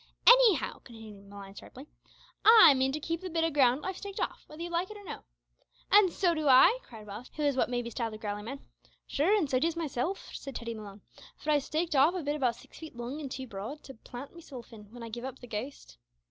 "Anyhow," continued Malines, sharply, "I mean to keep the bit o' ground I've staked off whether you like it or no " "An' so do I," cried Welsh, who was what may be styled a growly man. "Sure, an' so does myself," said Teddy Malone, "for I've staked off a bit about six feet long an' two broad, to plant mesilf in whin I give up the ghost."